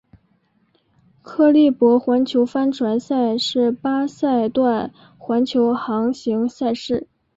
克利伯环球帆船赛是八赛段环球航行赛事。